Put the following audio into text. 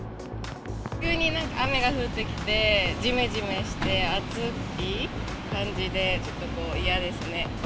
急になんか雨が降ってきて、じめじめして、暑い感じで、ちょっと嫌ですね。